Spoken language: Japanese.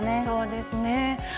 そうですね。